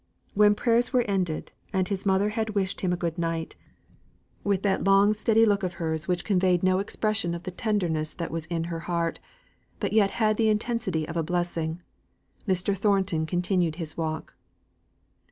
When prayers were ended, and his mother had wished him good night, with that long steady look of hers which conveyed no expression of the tenderness that was in her heart, but yet had the intensity of a blessing, Mr. Thornton continued his walk.